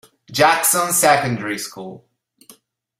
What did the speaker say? Jackson Secondary School.